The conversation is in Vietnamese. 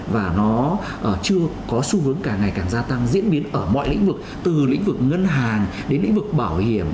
và nó chưa có xu hướng càng ngày càng gia tăng diễn biến ở mọi lĩnh vực từ lĩnh vực ngân hàng đến lĩnh vực bảo hiểm